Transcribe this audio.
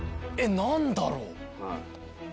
何だろう？